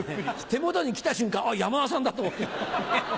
手元に来た瞬間あっ山田さんだと思って。